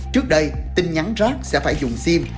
trước đây tin nhắn rác sẽ phải dùng sim